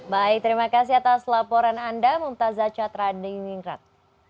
baik terima kasih atas laporan anda mumtazat chhatranding mingrat